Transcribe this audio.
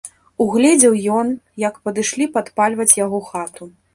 Угледзеў ён, як падышлі падпальваць яго хату.